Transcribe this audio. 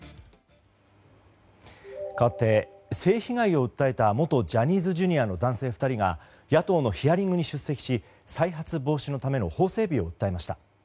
かわって、性被害を訴えた元ジャニーズＪｒ．の男性２人が野党のヒアリングに出席し再発防止のための法整備を訴えました。